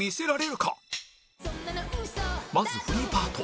まずフリーパート